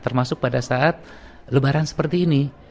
termasuk pada saat lebaran seperti ini